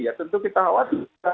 ya tentu kita khawatir